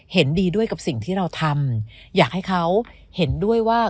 เห็นดีด้วยกับสิ่งที่เราทำอยากให้เขาเห็นด้วยว่า